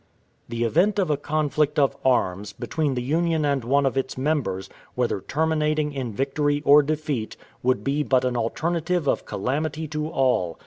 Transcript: The event of a conflict of arms, between the Union and one of its members, whether terminating in victory or defeat, would be but an alternative of calamity to all.